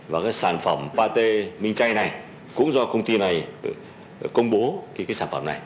và cái sản phẩm pate minh chay này cũng do công ty này công bố cái sản phẩm này